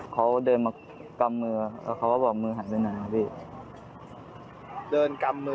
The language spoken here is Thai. เขาเดินมากำมือเค้าบอกมือหายไปไหนอ่ะพี่